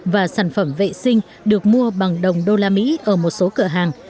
và sản phẩm vệ sinh được mua bằng đồng đô la mỹ ở một số cửa hàng